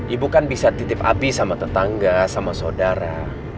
ibu kan bisa titip api sama tetangga sama saudara